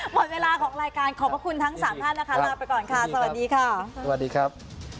หมดเวลาของรายการขอบคุณทั้งสามท่านนะคะลาไปก่อนค่ะสวัสดีครับ